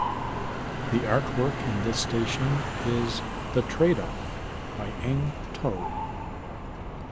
The artwork in this station is "The Trade-Off" by Eng Tow.